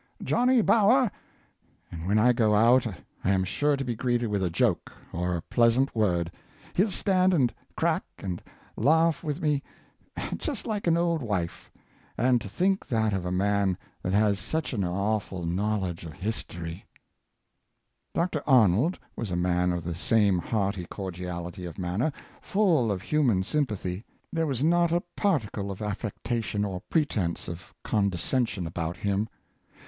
Johnny Bower!' and when I go out lam sure to be greeted wi' a joke or a pleasant word. He'll stand and crack and laugh wi' me just like an auld wife; and to think that of a man that has such an awfu' knoTvIedge o* history P'^ Dr. Arnold was a man of the same hearty cordiality of manner — full of human sympathy. There was not a particle of affectation or pretense of condescension about him.